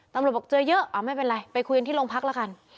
ตำรวจบอกเจอเยอะอ่าไม่เป็นไรไปคุยกันที่โรงพักละกัน